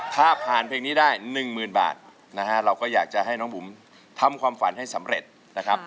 ถ้าผ่านเพลงนี้ได้๑๐๐๐บาทนะฮะเราก็อยากจะให้น้องบุ๋มทำความฝันให้สำเร็จนะครับ